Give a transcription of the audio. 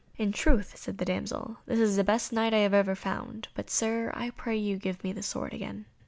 "In truth," said the damsel, "this is the best Knight that I ever found, but, Sir, I pray you give me the sword again."